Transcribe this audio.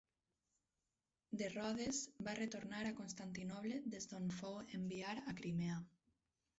De Rodes va retornar a Constantinoble des d'on fou enviar a Crimea.